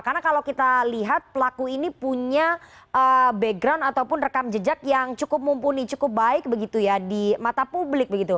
karena kalau kita lihat pelaku ini punya background ataupun rekam jejak yang cukup mumpuni cukup baik di mata publik